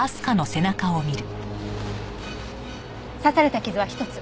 刺された傷は１つ。